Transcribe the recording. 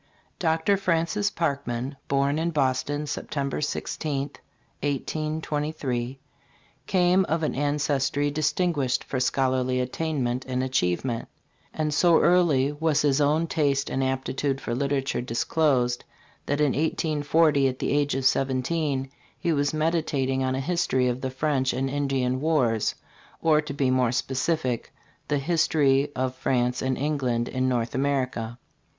DR. FRANCIS PARKMAN, born in Boston, September 16 1823, came of an ancestry distinguished for scholarly attainment and achievement; and so early was his own taste and aptitude for literature disclosed that in 1840, at the age of seventeen, he was meditating on a history of the French and Indian wars, or, to be more specific, the "History of France and Eng land in North America."